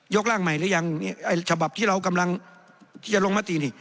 ร่างใหม่หรือยังฉบับที่เรากำลังที่จะลงมตินี่